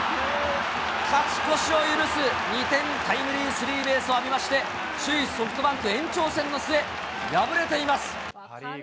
勝ち越しを許す２点タイムリースリーベースを浴びまして、首位ソフトバンク、延長戦の末、敗れています。